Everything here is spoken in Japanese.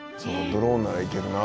ドローンなら行けるな」